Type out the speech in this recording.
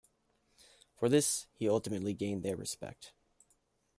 For this he ultimately gained their respect.